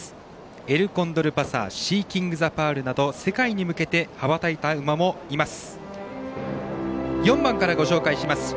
エルコンドルパサーシーキングザパールなど世界に向けて羽ばたいた馬もいます。